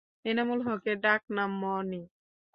এনামুল হকের ডাক নাম "মনি"।